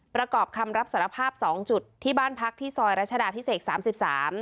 ประกอบคำรับสารภาพ๒จุดที่บ้านพักที่ซอยรัชดาพิเศษ๓๓